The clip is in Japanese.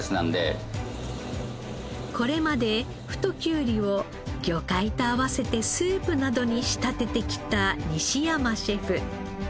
これまで太きゅうりを魚介と合わせてスープなどに仕立ててきた西山シェフ。